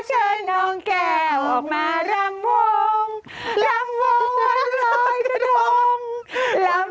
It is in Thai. ขอเชิญน้องแก่ออกมาลำวงลำวงวันลอยกะทง